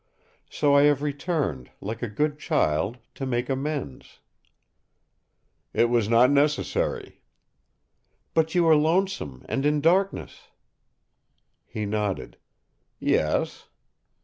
So I have returned, like a good child, to make amends." "It was not necessary." "But you were lonesome and in darkness!" He nodded. "Yes."